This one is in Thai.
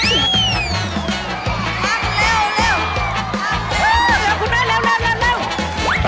ได้เร็ว